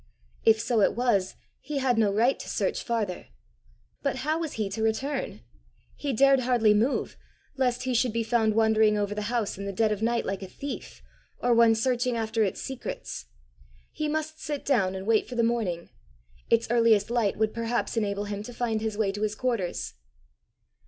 If so it was, he had no right to search farther! But how was he to return? He dared hardly move, lest he should be found wandering over the house in the dead of night like a thief, or one searching after its secrets. He must sit down and wait for the morning: its earliest light would perhaps enable him to find his way to his quarters!